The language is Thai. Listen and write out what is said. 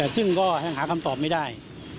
ซึ่งก็ยังหาคำตอบไม่ได้